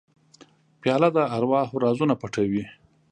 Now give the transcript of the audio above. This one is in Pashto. پیاله د ارواحو رازونه پټوي.